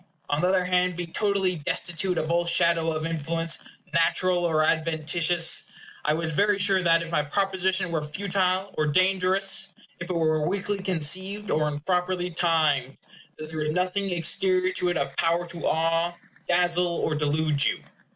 On the other hand, being totally destitute of all shadow of influence, natural or adventitious, I was very sure that, if my proposition were futile or dangerous if it were weakly conceived, or improperly timed there was nothing exterior to it of power to awe, dazzle, or delude you.